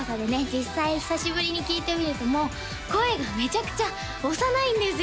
実際久しぶりに聴いてみるともう声がめちゃくちゃ幼いんですよ！